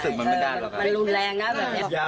มันจะตามออกไปแล้วก็แบงก์กาโม่ให้มาใจคิดว่าแบบนั้น